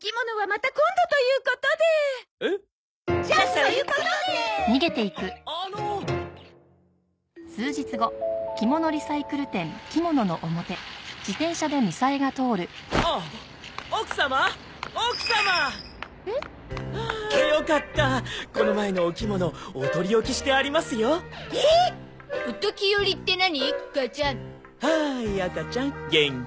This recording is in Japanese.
はい赤ちゃん元気？